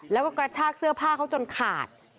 แล้วก็กระชากเสื้อผ้าเขาจนขาด